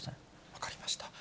分かりました。